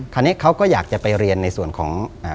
คราวนี้เขาก็อยากจะไปเรียนในส่วนของ